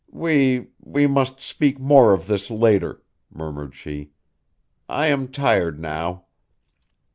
"We we must speak more of this later," murmured she. "I am tired now."